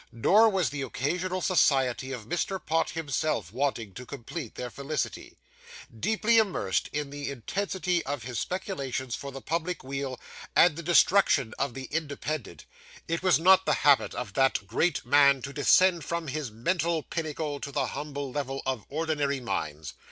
Nor was the occasional society of Mr. Pott himself wanting to complete their felicity. Deeply immersed in the intensity of his speculations for the public weal and the destruction of the Independent, it was not the habit of that great man to descend from his mental pinnacle to the humble level of ordinary minds.